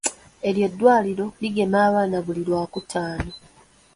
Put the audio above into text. Eryo eddwaliro ligema abaana buli Lwakutaano.